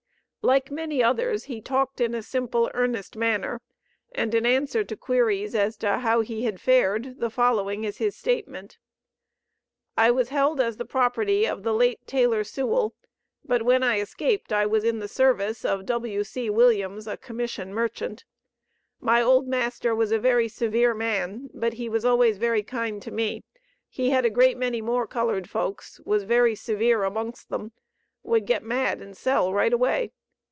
Like many others, he talked in a simple, earnest manner, and in answer to queries as to how he had fared, the following is his statement: "I was held as the property of the late Taylor Sewell, but when I escaped I was in the service of W.C. Williams, a commission merchant. My old master was a very severe man, but he was always very kind to me. He had a great many more colored folks, was very severe amongst them, would get mad and sell right away.